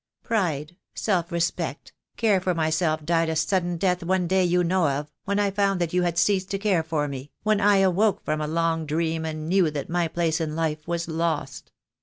Pride, self respect, care for myself died a sudden death one day you know of, when I found that you had ceased to care for me, when I awoke from a long dream and knew that my place in life was lost.